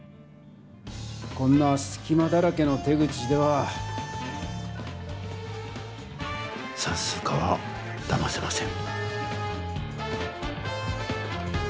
こんなすきまだらけの手口ではさんすう課はだませません！